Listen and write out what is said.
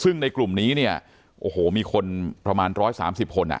ซึ่งในกลุ่มนี้เนี้ยโอ้โหมีคนประมาณร้อยสามสิบคนอ่ะ